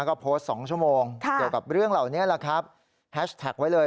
ก็โพสต์๒ชั่วโมงเกี่ยวกับเรื่องเหล่านี้แหละครับแฮชแท็กไว้เลย